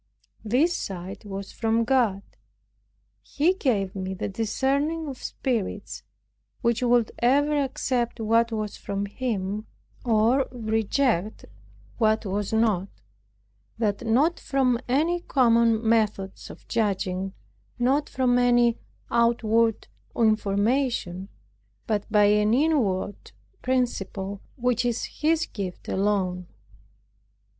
This sight was from God. He gave me the discerning of spirits, which would ever accept what was from Him, or reject what was not; that not from any common methods of judging, not from any outward information, but by an inward principle which is His gift alone.